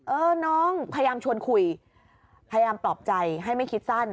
เออน้องพยายามชวนคุยพยายามปลอบใจให้ไม่คิดสั้น